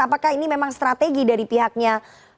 apakah ini memang strategi dari pihaknya